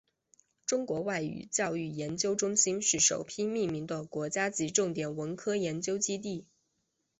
中国外语教育研究中心是首批命名的国家级重点文科研究基地。